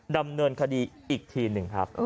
ดำเนินคดีอีกทีหนึ่งครับ